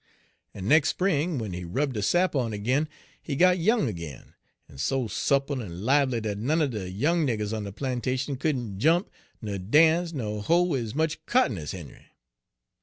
En nex' spring, w'en he rub de sap on ag'in, he got young ag'in, en so soopl en libely dat none er de young niggers on de plantation couldn' jump, ner dance, ner hoe ez much cotton ez Henry.